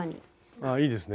あっいいですね。